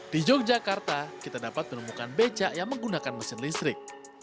di yogyakarta kita dapat menemukan becak yang menggunakan mesin listrik